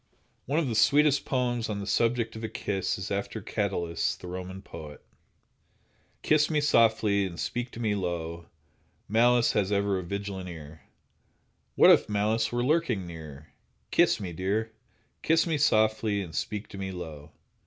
One of the sweetest poems on the subject of a kiss is after Catullus, the Roman poet: Kiss me softly, and speak to me low, Malice has ever a vigilant ear; What if Malice were lurking near? Kiss me, dear! Kiss me softly, and speak to me low.